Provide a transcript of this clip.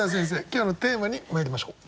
今日のテーマにまいりましょう。